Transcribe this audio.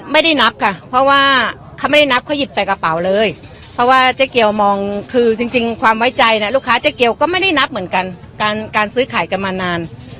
ไม่ได้นับค่ะเพราะว่าเขาไม่ได้นับเขาหยิบใส่กระเป๋าเลยเพราะว่าเจ๊เกียวมองคือจริงความไว้ใจนะลูกค้าเจ๊เกียวก็ไม่ได้นับเหมือนกันการซื้อขายกันมานาน